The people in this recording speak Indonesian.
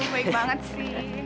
baik banget sih